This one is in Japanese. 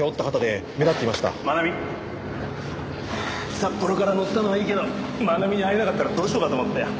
札幌から乗ったのはいいけど愛美に会えなかったらどうしようかと思ったよ。